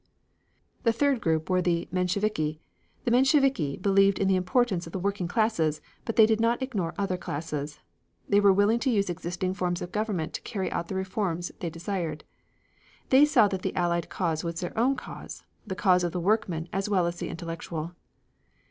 The third group were the Mensheviki. The Mensheviki believed in the importance of the working classes, but they did not ignore other classes. They were willing to use existing forms of government to carry out the reforms they desired. They saw that the Allied cause was their own cause, the cause of the workman as well as the intellectual.